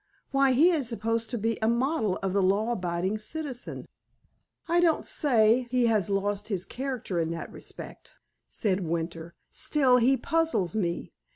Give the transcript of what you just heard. "Why, he is supposed to be a model of the law abiding citizen." "I don't say he has lost his character in that respect," said Winter. "Still, he puzzles me.